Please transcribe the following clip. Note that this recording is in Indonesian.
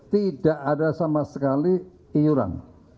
tidak ada sama sekali iuran